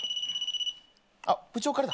あっ部長からだ。